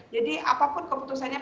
jadi apapun keputusannya